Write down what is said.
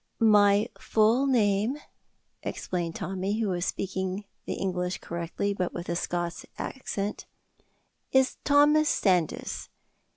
"My full name," explained Tommy, who was speaking the English correctly, but with a Scots accent, "is Thomas Sandys.